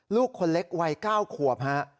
ลูกคนเล็กไว้๙ควบฮะ